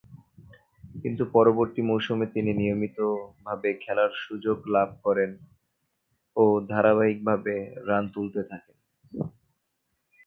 কিন্তু, পরবর্তী মৌসুমে তিনি নিয়মিতভাবে খেলার সুযোগ লাভ করেন ও ধারাবাহিকভাবে রান তুলতে থাকেন।